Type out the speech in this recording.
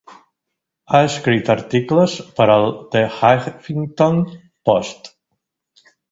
Ha escrit articles per al "The Huffington Post".